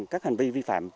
các hành vi vi phạm